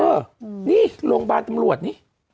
เออนี่โรงพยาบาลตำรวจนี่